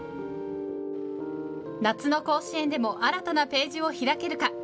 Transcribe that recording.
夏の甲子園でも新たなページを開けるか。